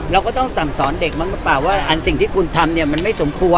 เราก็สั่งสอนเด็กมั้งก็เปล่าว่าอาร์จิ่งที่คุณทำมันไม่สมควร